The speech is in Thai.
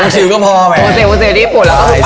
ตั้งแต่ว่าสือที่ญี่ปุ่นแล้วเขาก็ไปกัน